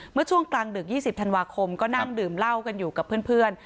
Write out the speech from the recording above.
เมื่อช่วงกลางดึก๒๐ธันวาคมก็นั่งดื่มเหล้ากันอยู่กับเพื่อน